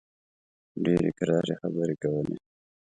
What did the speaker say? ډېرې کراري خبرې کولې.